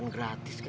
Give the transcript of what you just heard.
udah laras masuk ya